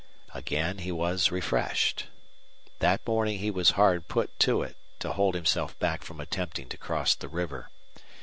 Again he was refreshed. That morning he was hard put to it to hold himself back from attempting to cross the river.